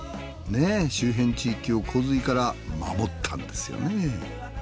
ねぇ周辺地域を洪水から守ったんですよね。